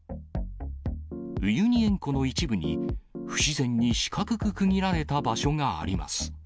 ウユニ塩湖の一部に、不自然に四角く区切られた場所があります。